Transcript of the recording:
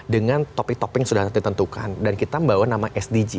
dengan topic topic sudah tentukan dan kita membawa nama sdj